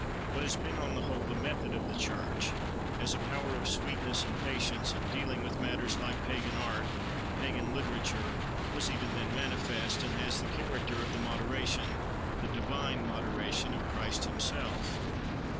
What has been on the whole the method of the church, as "a power of sweetness and patience," in dealing with matters like pagan art, pagan literature was even then manifest; and has the character of the moderation, the divine moderation of Christ himself.